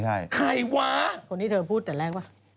ใครวะคนที่เธอพูดแต่แรกว่า